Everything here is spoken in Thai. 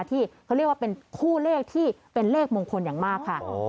ที่เขาเรียกว่าเป็นคู่เลขที่เป็นเลขมงคลอย่างมากค่ะ